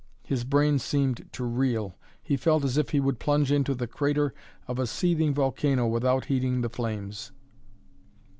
His brain seemed to reel. He felt as if he would plunge into the crater of a seething volcano without heeding the flames.